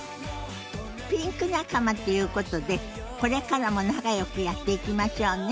ピンク仲間っていうことでこれからも仲よくやっていきましょうね。